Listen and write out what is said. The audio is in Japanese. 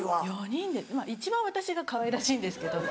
一番私がかわいらしいんですけど。